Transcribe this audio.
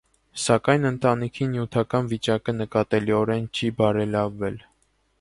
Սակայն ընտանիքի նյութական վիճակը նկատելիորեն չի բարելավվել։